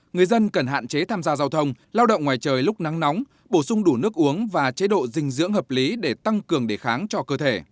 người dân cần hạn chế tham gia giao thông lao động ngoài trời lúc nắng nóng bổ sung đủ nước uống và chế độ dinh dưỡng hợp lý để tăng cường đề kháng cho cơ thể